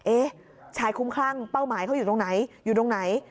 เอ๊ะชายคุ้มคลั่งเป้าหมายเขาอยู่ตรงไหน